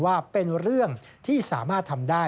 ว่าเป็นเรื่องที่สามารถทำได้